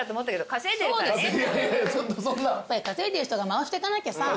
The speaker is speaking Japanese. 稼いでる人が回してかなきゃ。